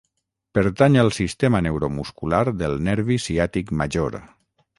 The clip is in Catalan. Pertany al sistema neuromuscular del nervi ciàtic major.